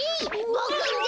ボクんだ！